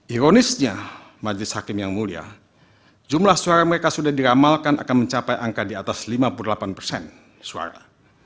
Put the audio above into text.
ironisnya majelis hakim yang mulia jumlah suara mereka sudah diramalkan akan mencapai angka di atas lima puluh delapan persen suara